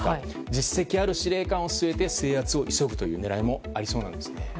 実績ある司令官を据えて制圧を急ぐという狙いもありそうです。